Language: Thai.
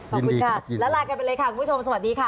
ยินดีครับยินดีครับแล้วลาไปกันเลยค่ะคุณผู้ชมสวัสดีค่ะ